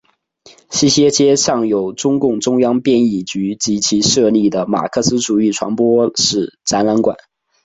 西斜街上有中共中央编译局及其设立的马克思主义传播史展览馆。